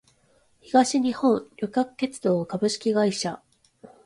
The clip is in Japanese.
東日本旅客鉄道株式会社